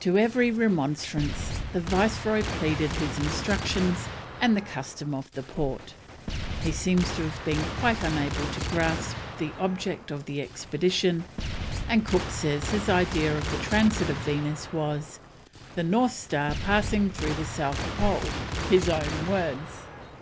To every remonstrance the Viceroy pleaded his instructions and the custom of the port. He seems to have been quite unable to grasp the object of the expedition, and Cook says his idea of the transit of Venus was, "the North Star passing through the South Pole. His own words."